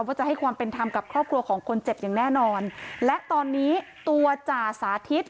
ว่าจะให้ความเป็นธรรมกับครอบครัวของคนเจ็บอย่างแน่นอนและตอนนี้ตัวจ่าสาธิต